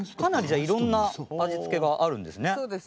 いろんな味付けがあるんですね。